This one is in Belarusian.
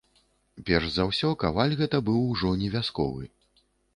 Перш за ўсё, каваль гэта быў ужо не вясковы.